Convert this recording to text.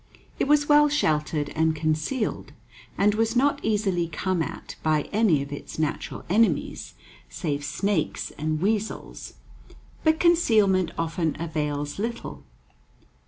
It was well sheltered and concealed, and was not easily come at by any of its natural enemies, save snakes and weasels. But concealment often avails little.